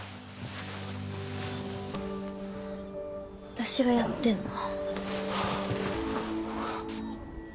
私がやってんの。